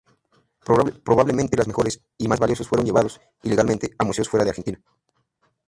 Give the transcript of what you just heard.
Probablemente los mejores y más valiosos fueron llevados, ilegalmente, a museos fuera de Argentina.